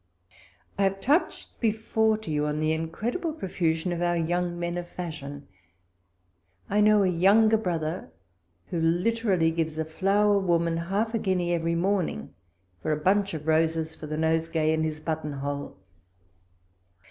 I have touched before to you on the incredible profusion of our young men of fashion. I know a younger brother who literally gives a flower 152 walpole's letters. woman half a guinea every morning for a bunch of roses for the nosegay in his button hole.